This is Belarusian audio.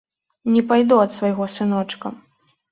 Не пайду ад свайго сыночка.